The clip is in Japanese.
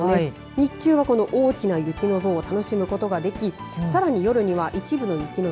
日中はこの大きな雪の像を楽しむことができさらに夜には一部の雪の像